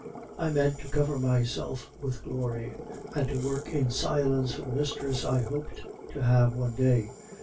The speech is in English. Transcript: I meant to cover myself with glory, and to work in silence for the mistress I hoped to have one day.